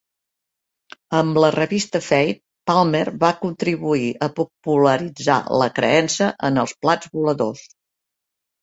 Amb la revista "Fate", Palmer va contribuir a popularitzar la creença en els plats voladors.